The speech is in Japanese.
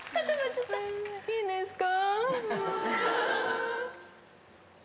いいんですか？